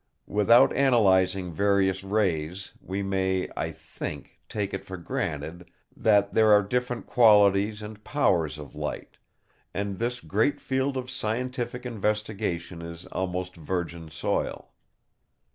Without analysing various rays we may, I think, take it for granted that there are different qualities and powers of light; and this great field of scientific investigation is almost virgin soil.